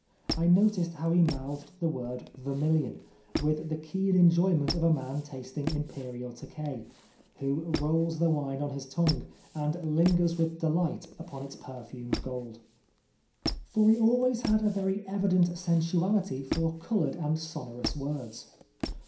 I noticed how he mouthed the word ' vermilion ' with the keen enjoyment of a man tasting Imperial Tokay, who rolls the wine on his tongue, and lingers with delight upon its perfumed gold. For he always had a very evident sensuality for coloured and sonorous words.